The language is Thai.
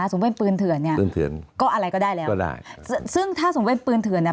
ถ้าสมเพ็ญปืนถือนก็อะไรก็ได้แล้วสุดซึ่งถ้าสมเพ็ญปืนถือน